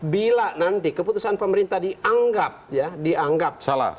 bila nanti keputusan pemerintah dianggap salah